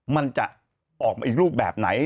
มันจะออกมาอีกรูปแบบไหน